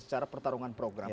secara pertarungan program